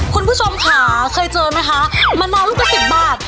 คุณผู้ชมค่ะเคยเจอไหมคะมะนาวลูกละ๑๐บาท